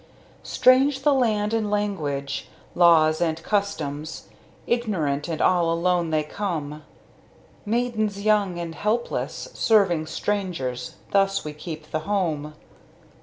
Strange the land and language, laws and customs; Ignorant and all alone they come; Maidens young and helpless, serving strangers, Thus we keep the Home.